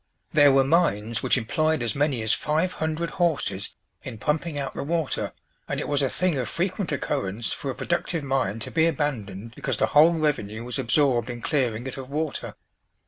There were mines which employed as many as five hundred horses in pumping out the water, and it was a thing of frequent occurrence for a productive mine to be abandoned because the whole revenue was absorbed in clearing it of water.